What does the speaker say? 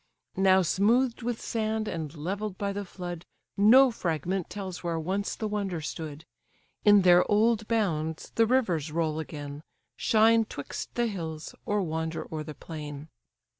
Now smooth'd with sand, and levell'd by the flood, No fragment tells where once the wonder stood; In their old bounds the rivers roll again, Shine 'twixt the hills, or wander o'er the plain.